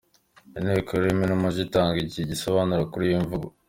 Inteko y’Ururimi n’Umuco itanga ikihe gisobanuro kuri iyi mvugo?.